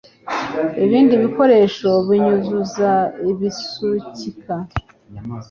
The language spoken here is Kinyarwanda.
ibindi bikoresho binyunyuza ibisukika